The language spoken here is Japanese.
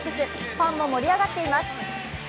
ファンも盛り上がっています。